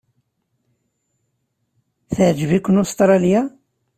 Teɛjeb-iken Ustṛalya?